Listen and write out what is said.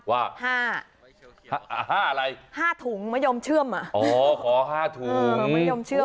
ห้าห้าอะไรห้าถุงมะยมเชื่อมอ่ะอ๋อขอ๕ถุงไม่ยอมเชื่อม